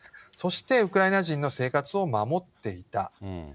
そして、ウクライナ人の生活を守っていた。